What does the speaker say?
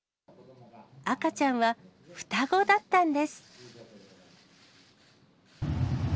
赤ちゃんは、双子だったんです。